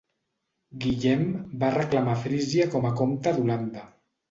Guillem va reclamar Frísia com a comte d'Holanda.